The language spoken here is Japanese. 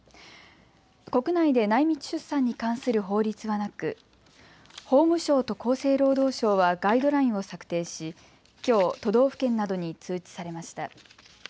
国内で内密出産に関する法律はなく、法務省と厚生労働省はガイドラインを策定しきょう都道府県などに通知されました。